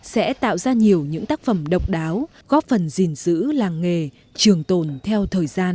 sẽ tạo ra nhiều những tác phẩm độc đáo góp phần gìn giữ làng nghề trường tồn theo thời gian